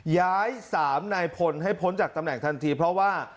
ย้าย๓นายพลให้พ้นจากตำแหน่งทันทีเพราะว่า